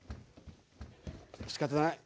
しかたない。